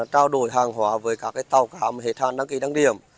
trao đổi hàng hóa với các tàu cá mà hệ thang đăng ký đăng điểm